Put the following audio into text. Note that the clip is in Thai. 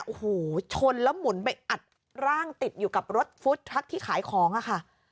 โอ้โหชนแล้วหมุนไปอัดร่างติดอยู่กับรถฟู้ดทรัคที่ขายของอะค่ะ